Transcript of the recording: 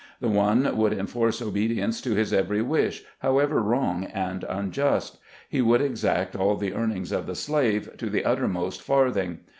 The one would enforce obedience to his every wish, however wrong and unjust ; he would exact all the earnings of the slave, to the uttermost farthing.